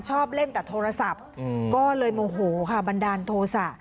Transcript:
ชอบเล่นแต่โทรศัพท์ก็เลยโมโหค่ะบันดาลโทษะ